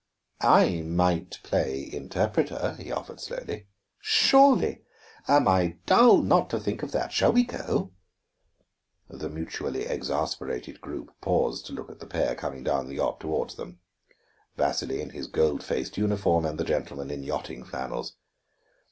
"I might play interpreter," he offered slowly. "Surely! Am I dull not to think of that? Shall we go?" The mutually exasperated group paused to look at the pair coming down the deck toward them, Vasili in his gold laced uniform and the gentleman in yachting flannels.